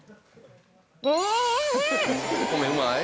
米うまい？